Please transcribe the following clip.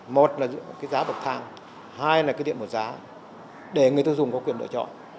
một là giá bậc thang hai là cái điện bậc giá để người tiêu dùng có quyền lựa chọn